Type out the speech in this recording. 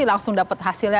langsung dapet hasilnya